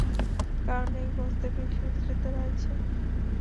কারণ এই গোস্তে বিষ মিশ্রিত রয়েছে।